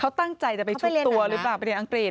เขาตั้งใจจะไปเช็คตัวหรือเปล่าไปเรียนอังกฤษ